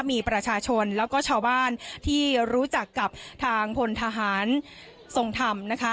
มีประชาชนแล้วก็ชาวบ้านที่รู้จักกับทางพลทหารทรงธรรมนะคะ